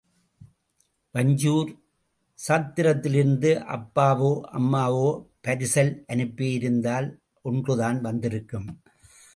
வஞ்சியூர் சத்திரத்திலிருந்து அப்பாவோ அம்மாவோ பரிசல் அனுப்பியிருந்தால் ஒன்று தான் வந்திருக்கும்.